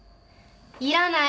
いらない！